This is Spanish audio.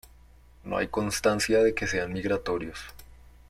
No hay constancia de que sean migratorios.